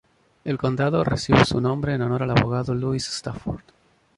El condado recibe su nombre en honor al abogado Lewis Stafford.